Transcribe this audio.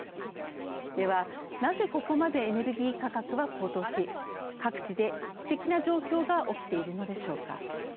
では、なぜここまでエネルギー価格は高騰し各地で危機的な状況が起きているのでしょうか。